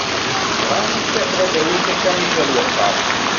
Bɣant ad d-awint akanic ar wexxam.